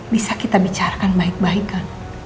bisa kita bicarakan baik baikan